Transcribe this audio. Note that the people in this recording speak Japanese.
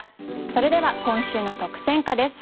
それでは今週の特選歌です。